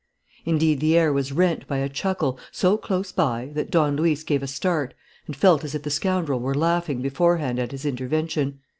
Indeed the air was rent by a chuckle, so close by that Don Luis gave a start and felt as if the scoundrel were laughing beforehand at his intervention.